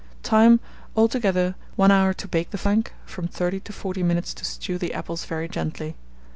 Time. Altogether, 1 hour to bake the flanc from 30 to 40 minutes to stew the apples very gently.